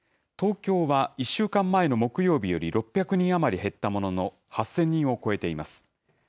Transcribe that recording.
東京は１週間前の木曜日より６００人余り減ったものの、８０００人を超えています。